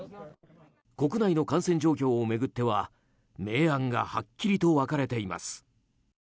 国内の感染状況を巡っては明暗がはっきりと分かれています。